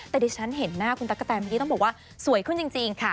แต่ดิฉันเห็นหน้าคุณตั๊กกะแตนเมื่อกี้ต้องบอกว่าสวยขึ้นจริงค่ะ